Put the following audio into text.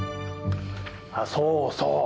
あっそうそう。